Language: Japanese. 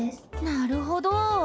なるほど。